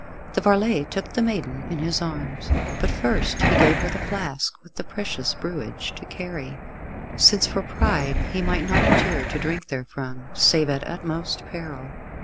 The varlet took the maiden in his arms, but first he gave her the flask with the precious brewage to carry, since for pride he might not endure to drink therefrom, save at utmost peril.